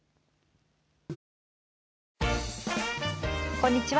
こんにちは。